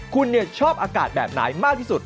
คุณชอบอากาศแบบไหนมากที่สุด